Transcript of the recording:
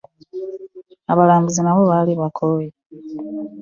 Abalambuzi nabo baali bakooye.